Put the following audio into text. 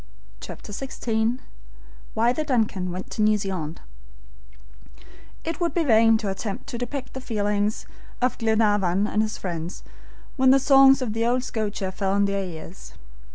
CHAPTER XVI WHY THE "DUNCAN" WENT TO NEW ZEALAND IT would be vain to attempt to depict the feelings of Glenarvan and his friends when the songs of old Scotia fell on their ears.